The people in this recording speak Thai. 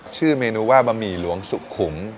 ชื่อเมนูว่าบะหมี่หลวงสุขุม